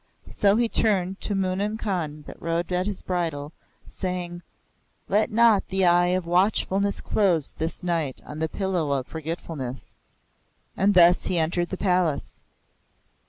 So he turned to Munim Khan that rode at his bridle, saying, "Let not the eye of watchfulness close this night on the pillow of forgetfulness!" And thus he entered the palace.